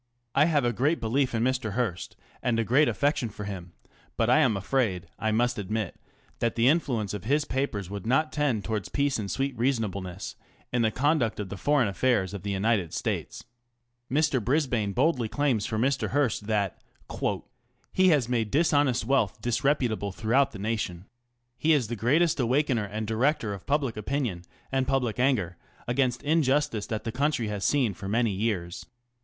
I have a great belief in Mr. Hearst, and a great affection for him, but I am afraid I must admit that the influence of his papers would not tend toward peace and sweet reasonableness in the conduct of the fore'gn affairs of the United States. Mr. Brisbane boldly claims for Mr. Hearst that ŌĆö he lias made dishonest wealth disreputable throughout the nation. He is the greatest awakener and director of public opinion and public anger against inju tice thai the country has seen for many years.